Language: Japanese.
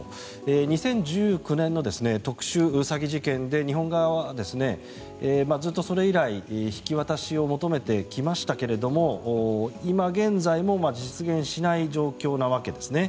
２０１９年の特殊詐欺事件で日本側はずっとそれ以来引き渡しを求めてきましたが今現在も実現しない状況なわけですね。